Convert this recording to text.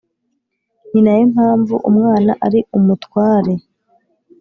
ni na yo mpamvu umwana ari umutware